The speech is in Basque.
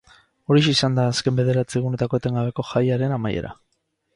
Horixe izan da azken bederatzi egunetako etengabeko jaiaren amaiera.